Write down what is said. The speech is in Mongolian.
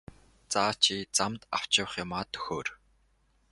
За чи замд авч явах юмаа төхөөр!